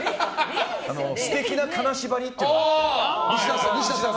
「ステキな金縛り」っていうのがあって。